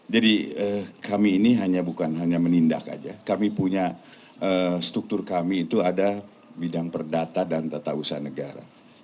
jadi kami ini bukan hanya menindak saja kami punya struktur kami itu ada bidang perdata dan tata usaha negara